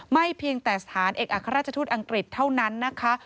เพียงแต่สถานเอกอัครราชทูตอังกฤษเท่านั้นนะคะ